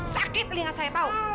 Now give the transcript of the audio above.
sakit telinga saya tau